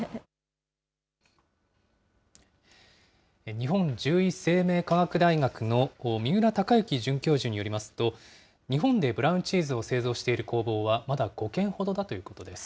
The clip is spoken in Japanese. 日本獣医生命科学大学の三浦孝之准教授によりますと、日本でブラウンチーズを製造している工房はまだ５軒ほどだということです。